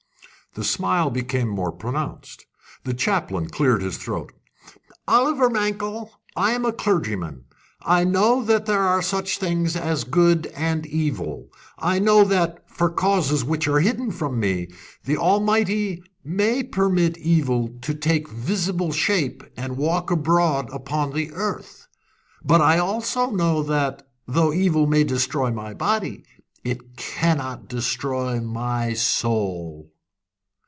The smile became more pronounced. The chaplain cleared his throat. "Oliver Mankell, I am a clergyman. I know that there are such things as good and evil. I know that, for causes which are hidden from me, the Almighty may permit evil to take visible shape and walk abroad upon the earth; but I also know that, though evil may destroy my body, it cannot destroy my soul."